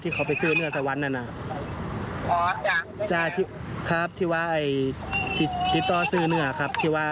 ที่ขอไปซื้อเนื้อสวรรค์นั้นนะ